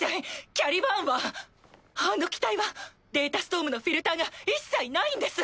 キャリバーンはあの機体はデータストームのフィルターが一切ないんです！